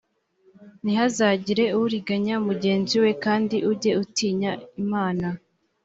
ntihazagire uriganya mugenzi we kandi ujye utinya imana